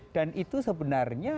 dan itu sebenarnya